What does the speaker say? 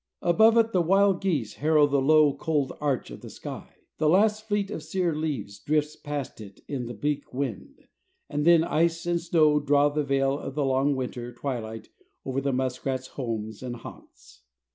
Above it the wild geese harrow the low, cold arch of the sky, the last fleet of sere leaves drifts past it in the bleak wind, and then ice and snow draw the veil of the long winter twilight over the muskrat's homes and haunts.